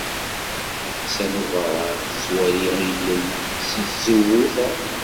Nafisa n Ubeṛṛan tettwali ilel seg tzewwut-a.